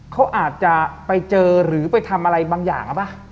เขาอาจจะไปเจอหรือไปทำอะไรบางอย่างหรือเปล่า